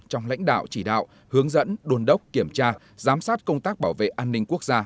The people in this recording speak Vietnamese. trong lãnh đạo chỉ đạo hướng dẫn đồn đốc kiểm tra giám sát công tác bảo vệ an ninh quốc gia